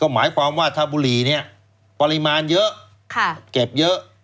หมายความว่าถ้าบุหรี่เนี่ยปริมาณเยอะเก็บเยอะ